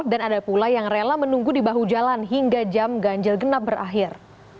dan ada pula yang rela menunggu di bahu jalan hingga jam ganjil genap berakhir